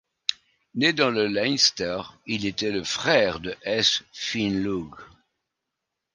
Né dans le Leinster, il était le frère de s. Finlugh.